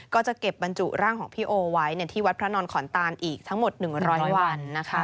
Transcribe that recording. ก็จะเก็บบรรจุร่างของพี่โอไว้ที่วัดพระนอนขอนตานอีกทั้งหมด๑๐๐วันนะคะ